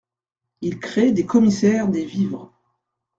Il crée des commissaires des vivres.